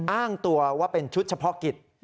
อ้างตัวว่าเป็นชุดเฉพาะกิจ